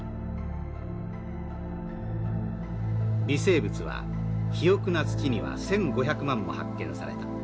「微生物は肥沃な土には１，５００万も発見された。